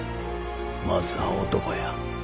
まずは男や。